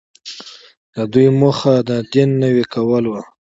د دوی موخه د دین نوی کول وو.